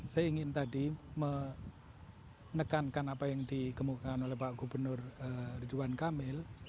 saya ingin tadi menekankan apa yang dikemukakan oleh pak gubernur ridwan kamil